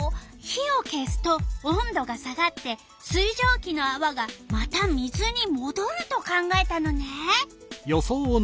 火を消すと温度が下がって水じょうきのあわがまた水にもどると考えたのね。